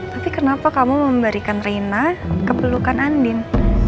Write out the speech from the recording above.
tapi kenapa kamu memberikan rina kepelukan andin